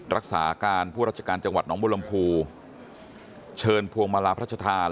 รักษาการผู้ราชการจังหวัดน้องบุรมภูเชิญพวงมาลาพระชธาน